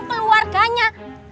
siapa siapa tentang keluarganya